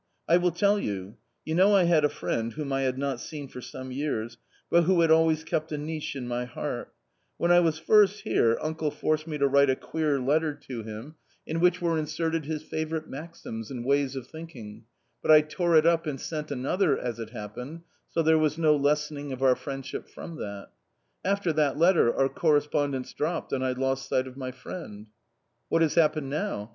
" I will tell you ; you know I had a friend whom I had not seen for some years, but who had always kept a niche in my heart When I was first here, uncle forced me to write a queer letter to him, in 148 A COMMON STORY * which were inserted his favourite maxims and ways of thinking : but I tore it up and sent another, as it happened, so there was no lessening of our friendship from that After that letter our correspondence dropped, and I lost sight of my friend. What has happened now?